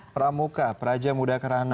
pramuka praja muda kerana